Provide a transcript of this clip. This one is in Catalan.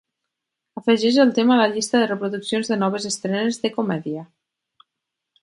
Afegeix el tema a la llista de reproduccions de noves estrenes de comèdia.